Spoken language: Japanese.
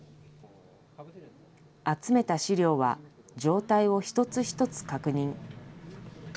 集めた資料は状態を一つ一つ確認。